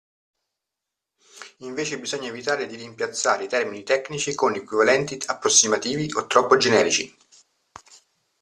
Invece bisogna evitare di rimpiazzare i termini tecnici con equivalenti approssimativi o troppo generici.